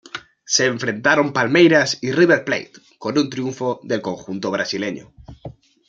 Se enfrentaron Palmeiras y River Plate, con un triunfo del conjunto brasileño.